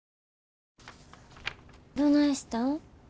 どないしたん？